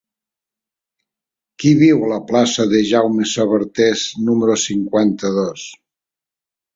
Qui viu a la plaça de Jaume Sabartés número cinquanta-dos?